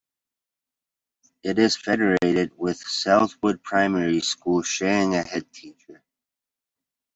It is federated with Southwold primary school, sharing a headteacher.